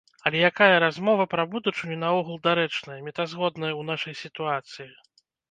Але якая размова пра будучыню наогул дарэчная, мэтазгодная ў нашай сітуацыі?